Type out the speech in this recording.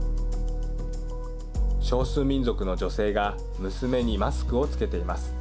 少数民族の女性が娘にマスクをつけています。